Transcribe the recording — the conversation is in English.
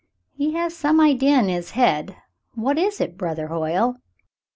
"He has some idea in his head. What is it, brother Hoyle.?"